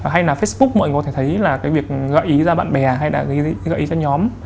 hay là facebook mọi có thể thấy là cái việc gợi ý ra bạn bè hay là gợi ý cho nhóm